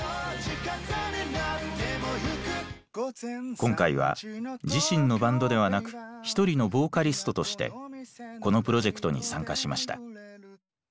今回は自身のバンドではなく一人のボーカリストとしてこのプロジェクトに参加しました。